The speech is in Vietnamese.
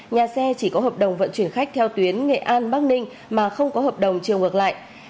nhà xe chỉ có hợp đồng vận chuyển khách theo tuyến nghệ an bắc ninh mà không có hợp đồng chiều ngược lại